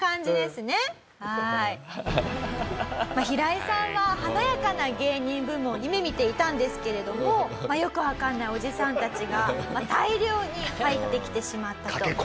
ヒライさんは華やかな芸人部門を夢見ていたんですけれどもよくわかんないおじさんたちが大量に入ってきてしまったと。